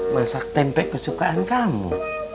masak tempe kesukaan kamu